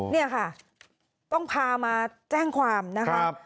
นี่ค่ะต้องพามาแจ้งความนะคะ